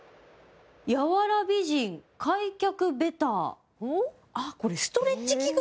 「柔ら美人開脚ベター」